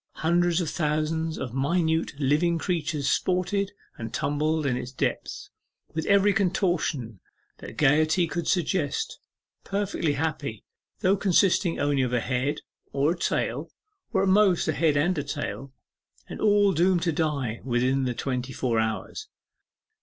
Hundreds of thousands of minute living creatures sported and tumbled in its depth with every contortion that gaiety could suggest; perfectly happy, though consisting only of a head, or a tail, or at most a head and a tail, and all doomed to die within the twenty four hours.